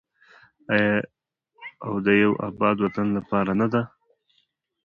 آیا او د یو اباد وطن لپاره نه ده؟